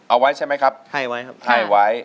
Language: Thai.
เอาไว้ใช่ไหมครับให้ไว้ครับ